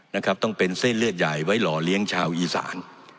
นะครับต้องเป็นเส้นเลือดใหญ่ไว้หล่อเลี้ยงชาวอีสาน